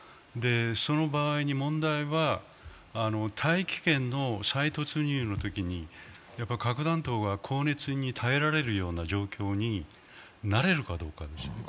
その場合に問題は、大気圏の再突入のときに核弾頭が高熱に耐えられるような状況になれるかどうかですね。